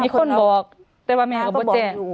คนบอกแต่ว่าแม่ออกมาแจ้ง